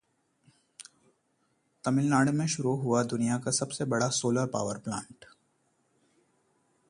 तमिलनाडु में शुरू हुआ दुनिया का सबसे बड़ा सोलर पावर प्लांट...